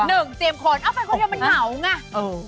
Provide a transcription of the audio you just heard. เตรียมคนเอ้าไปคนเดียวมันเหงาไง